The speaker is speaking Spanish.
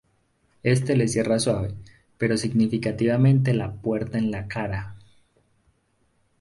Éste le cierra suave, pero significativamente la puerta en la cara.